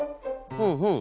ふんふん。